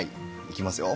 いきますよ。